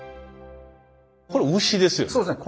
これウシですよね？